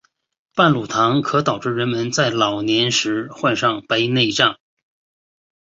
半乳糖可导致人们在老年时患上白内障。